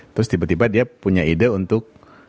terus tiba tiba dia punya ide untuk